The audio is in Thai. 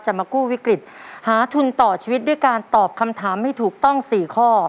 มากู้วิกฤตหาทุนต่อชีวิตด้วยการตอบคำถามให้ถูกต้อง๔ข้อ